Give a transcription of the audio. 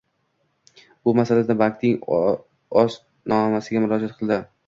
Bu masalada bankning ostonasiga murojaat qildi.